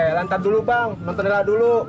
ya lantar dulu bang nonton ella dulu